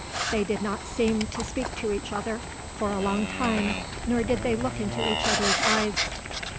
They did not seem to speak to each other for a long time nor did they look into each other's eyes.